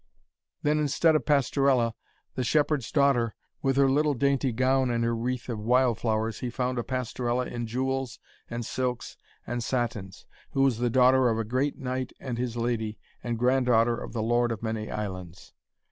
Then instead of Pastorella, the shepherd's daughter, with her little dainty gown and her wreath of wildflowers, he found a Pastorella in jewels, and silks, and satins, who was the daughter of a great knight and his lady, and grand daughter of the Lord of Many Islands.